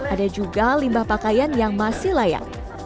ada juga limbah pakaian yang masih layak